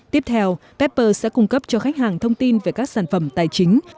tiếp theo apper sẽ cung cấp cho khách hàng thông tin về các sản phẩm tài chính